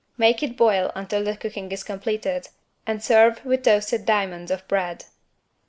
Make it boil until the cooking is completed and serve with toasted diamonds of bread.